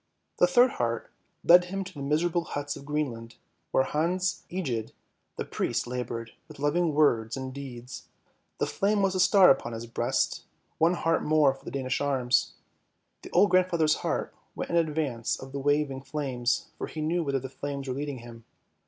The third heart led him to the miserable huts of Greenland, where Hans Egede, the priest, laboured with loving words and deeds: the flame was a star upon his breast, one heart more for the Danish Arms. The old grandfather's heart went in advance of the waving flames, for he knew whither the flames were leading him.